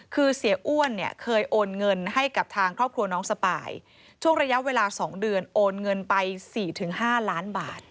คือเสียอ้วนเนี่ยเคยโอนเงินให้กับทางครอบครัวน้องสปายช่วงระยะเวลา๒เดือนโอนเงินไป๔๕ล้านบาท